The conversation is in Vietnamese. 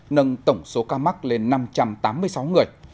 nâng tổng số ca mắc lên năm trăm tám mươi sáu người